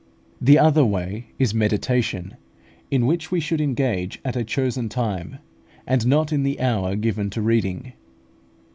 The other way is Meditation, in which we should engage at a chosen time, and not in the hour given to reading.